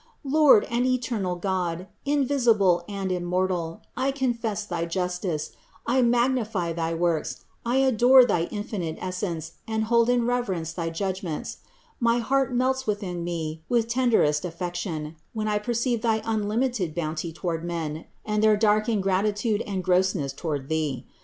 "Lord and eternal God, invisible and immortal, I confess thy justice, I magnify thy works, I adore thy infinite Essence and hold in reverence thy judgments. My heart melts within me with tenderest affection, when I perceive thy unlimited bounty toward men and their dark ingratitude and grossness toward Thee.